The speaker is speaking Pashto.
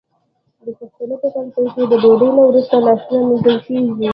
د پښتنو په کلتور کې د ډوډۍ نه وروسته لاسونه مینځل کیږي.